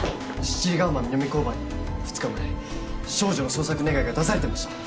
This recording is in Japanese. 七里ヶ浜南交番に２日前少女の捜索願が出されてました